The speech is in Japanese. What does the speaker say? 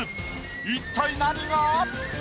一体何が⁉